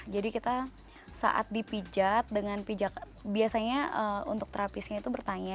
jadi kita saat dipijat dengan pijat biasanya untuk terapisnya itu bertanya